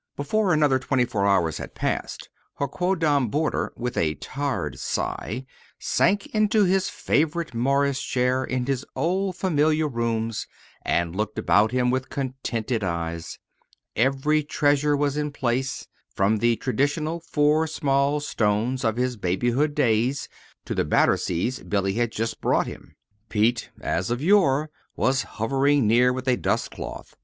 Before another twenty four hours had passed her quondam boarder, with a tired sigh, sank into his favorite morris chair in his old familiar rooms, and looked about him with contented eyes. Every treasure was in place, from the traditional four small stones of his babyhood days to the Batterseas Billy had just brought him. Pete, as of yore, was hovering near with a dust cloth.